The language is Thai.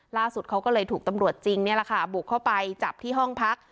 ล่าสุดเขาก็เลยถูกตำรวจจริงนี่แหละค่ะบุกเข้าไปจับที่ห้องพัก